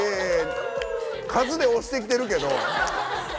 数で押してきてるけど。